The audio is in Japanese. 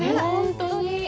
本当に！